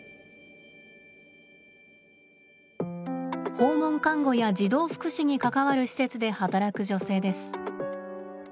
訪問看護や児童福祉に関わる施設で働く女性です。